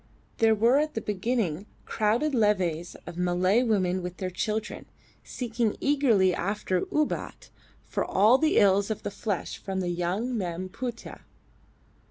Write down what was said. There were at the beginning crowded levees of Malay women with their children, seeking eagerly after "Ubat" for all the ills of the flesh from the young Mem Putih.